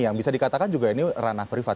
yang bisa dikatakan juga ini ranah privat